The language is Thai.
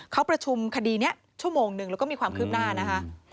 เขาประชุมคดีนี้ชั่วโมงหนึ่งแล้วก็มีความคืบหน้านะคะ